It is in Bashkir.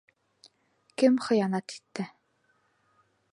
Кем хыянат итте?